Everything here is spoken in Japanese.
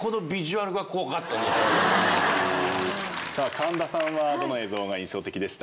神田さんはどの映像が印象的でした？